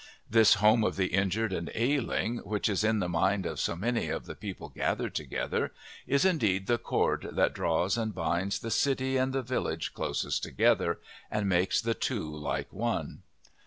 This home of the injured and ailing, which is in the mind of so many of the people gathered together, is indeed the cord that draws and binds the city and the village closest together and makes the two like one.